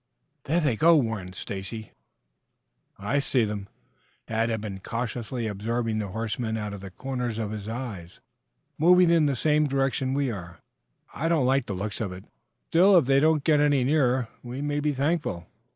"There they go," warned Stacy. "I see them." Tad had been cautiously observing the horsemen out of the corners of his eyes. "Moving in the same direction we are. I don't like the looks of it. Still, if they don't get any nearer we may be thankful."